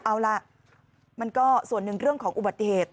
เอาล่ะมันก็ส่วนหนึ่งเรื่องของอุบัติเหตุ